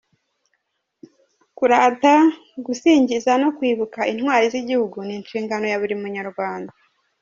Kurata, gusingiza no kwibuka intwari z’igihugu ni inshingano ya buri munyarwanda”